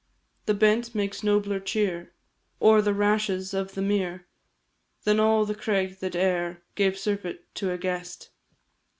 The bent makes nobler cheer, Or the rashes of the mere, Than all the creagh that e'er Gave surfeit to a guest.